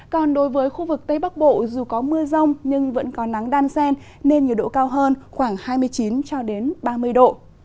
còn đối với khu vực tây bắc bộ dù có mưa rông nhưng vẫn có nắng đan sen nên nhiệt độ cao hơn khoảng hai mươi chín cho đến ba mươi độ